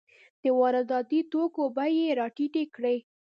د وارداتي توکو بیې یې راټیټې کړې.